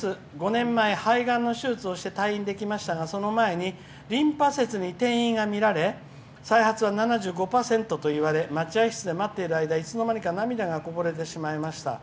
５年前、肺がんの手術をして退院ができましたがその前にリンパ節に転移が見られ再発は７５％といわれ待合室で待っている間、いつの間にか涙がこぼれてしまいました」。